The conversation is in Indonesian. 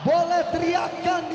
boleh teriakannya indonesia